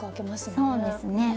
そうですね。